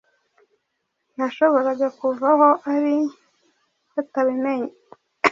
Ntiyashoboraga kuva aho ari batabimenye.